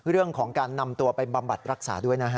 เรื่องของการนำตัวไปบำบัดรักษาด้วยนะฮะ